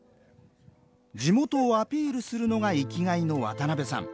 地元をアピールするのが生きがいの渡邉さん。